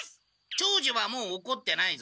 長次はもうおこってないぞ。